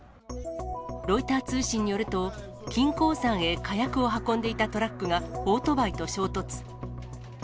ロイター通信によると、金鉱山へ火薬を運んでいたトラックがオートバイと衝突。